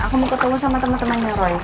aku mau ketemu sama temen temennya roy